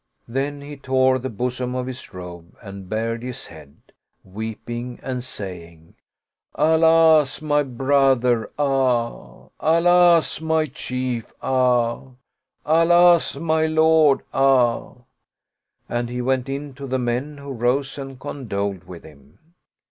Then he tore the bosom of his robe and bared his head, weeping and saying, " Alas, my brother, ah ! Alas, my chief, ah ! Alas, my lord, ah !" And he went in to the men, who rose and condoled with him.